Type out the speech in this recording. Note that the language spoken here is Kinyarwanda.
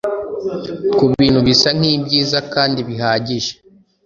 kubintu bisa nkibyiza kandi bihagije